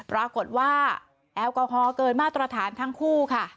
ปรากฏว่าแอลกอฮอล์เกินมาตรฐานทั้งคู่ค่ะ